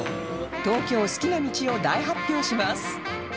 東京好きな道を大発表します